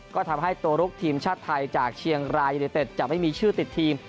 ก็ทำให้ตัวลุกทีมชาติไทยจากเชียงรายยูนิเต็ดจะไม่มีชื่อติดทีม